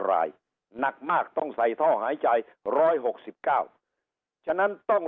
รายหนักมากต้องใส่ท่อหายใจร้อยหกสิบเก้าฉะนั้นต้อง